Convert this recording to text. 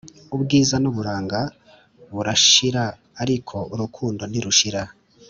Ubwiza nuburanga burashiraariko urukundo ntirushira